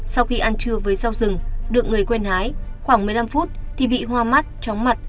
sau khi ăn trưa với rau rừng được người quen hái khoảng một mươi năm phút thì bị hoa mắt tróng mặt